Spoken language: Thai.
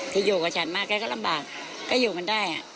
ที่อยู่กับฉันมาแกก็ลำบากแกอยู่มันได้